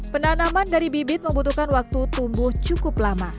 penanaman dari bibit membutuhkan waktu tumbuh cukup lama